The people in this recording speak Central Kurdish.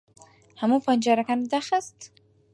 ھەموو پەنجەرەکانت داخست؟